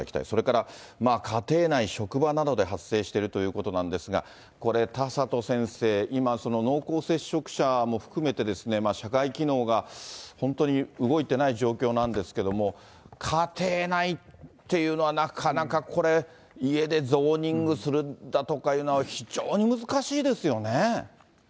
それから家庭内、職場などで発生しているということなんですが、これ、田里先生、今、濃厚接触者も含めてですね、社会機能が本当に動いてない状況なんですけれども、家庭内っていうのはなかなかこれ、家でゾーニングするだとかいうのは、非常に難しいですよね。